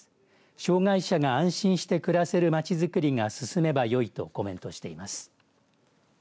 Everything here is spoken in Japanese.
障害者が安心して暮らせる街づくりが進めばよいとコメントしています。